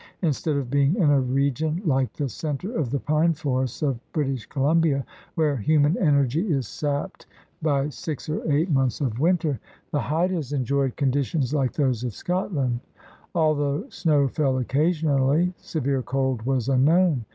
Instead of being in a region like the center of the pine forests of British Columbia where human energy is sapped by six or eight months of winter, the Haidas enjoyed conditions like those of Scotland, Al though snow fell occasionally, severe cold was unknown.